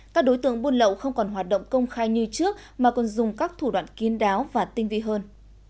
các đối tượng buôn lậu không còn hoạt động công khai như trước mà còn dùng các thủ đoạn kiên đáo và tinh vi hơn